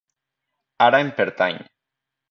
Ara em pertany.